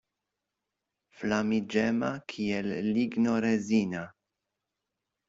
Flamiĝema kiel ligno rezina.